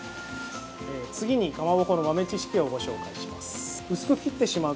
次に、かまぼこの豆知識をご紹介します。